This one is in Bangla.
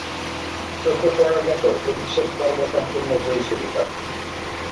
চোখে পড়ার মতো অভিষেক পর্ব সম্পন্ন হয়েছিল তার।